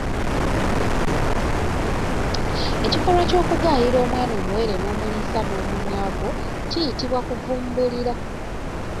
Ekikolwa ky’okugaayira omwana omuwere n’omuliisa n’omumwagwo kiyitibwa kuvumbulira.